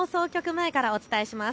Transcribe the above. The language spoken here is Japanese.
前からお伝えします。